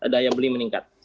daya beli meningkat